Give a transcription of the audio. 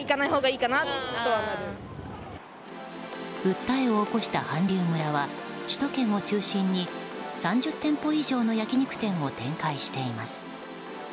訴えを起こした韓流村は首都圏を中心に３０店舗以上の焼き肉店を展開しています。